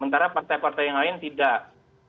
karena partai partai yang lain tidak